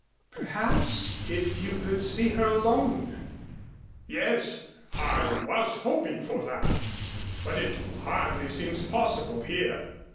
"Perhaps, if you could see her alone " "Yes, I was hoping for that but it hardly seems possible here."